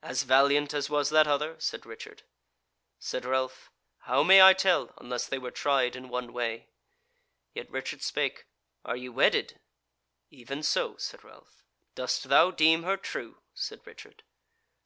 "As valiant as was that other?" said Richard. Said Ralph: "How may I tell, unless they were tried in one way?" Yet Richard spake: "Are ye wedded?" "Even so," said Ralph. "Dost thou deem her true?" said Richard.